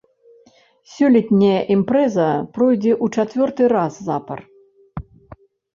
Сёлетняя імпрэза пройдзе ў чацвёрты раз запар.